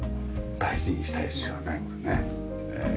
大事にしたいですよね。